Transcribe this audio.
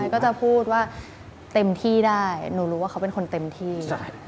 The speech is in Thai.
ก็จะพูดว่าเต็มที่ได้หนูรู้ว่าเขาเป็นคนเต็มที่